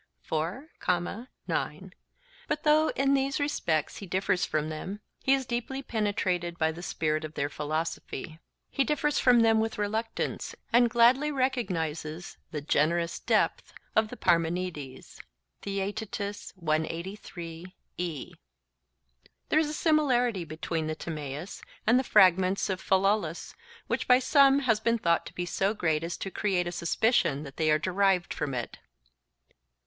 But though in these respects he differs from them, he is deeply penetrated by the spirit of their philosophy; he differs from them with reluctance, and gladly recognizes the 'generous depth' of Parmenides (Theaet.). There is a similarity between the Timaeus and the fragments of Philolaus, which by some has been thought to be so great as to create a suspicion that they are derived from it.